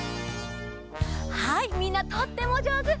はいみんなとってもじょうず！